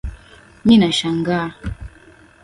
mi nashangaa